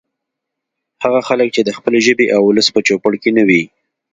هغه خلک چې د خپلې ژبې او ولس په چوپړ کې نه وي